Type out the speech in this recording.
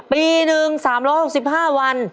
ปีหนึ่ง๓๖๕วัน